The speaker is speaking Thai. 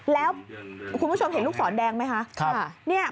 แล้วคุณผู้ชมเห็นลูกศรแดงไหมคะ